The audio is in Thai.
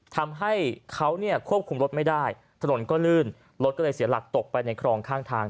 ทำให้เขาเนี่ยควบคุมรถไม่ได้ถนนก็ลื่นรถก็เลยเสียหลักตกไปในคลองข้างทาง